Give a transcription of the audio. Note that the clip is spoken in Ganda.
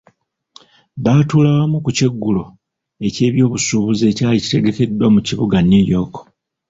Baatuula wamu ku kyeggulo ky'ebyobusuubuzi ekyali kitegekeddwa mu kibuga New York.